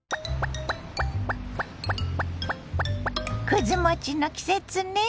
くず餅の季節ね。